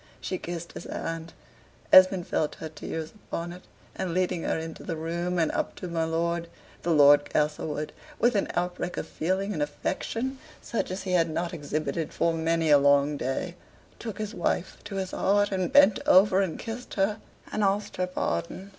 She kissed his hand, Esmond felt her tears upon it: and leading her into the room, and up to my lord, the Lord Castlewood, with an outbreak of feeling and affection such as he had not exhibited for many a long day, took his wife to his heart, and bent over and kissed her and asked her pardon.